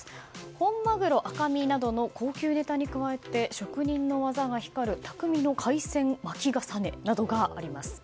本鮪赤身などの高級ねたに加えて職人の技が光る匠の海鮮巻き重ねなどがあります。